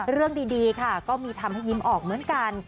เรื่องดีค่ะก็มีทำให้ยิ้มออกเหมือนกัน